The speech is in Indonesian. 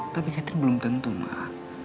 tapi catherine belum tentu mbak